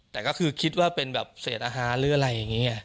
แต่ก็คือคิดว่าเป็นแบบเศษอาหารหรืออะไรอย่างนี้ไง